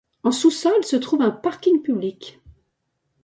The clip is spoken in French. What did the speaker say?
En sous-sol se trouve un parking public.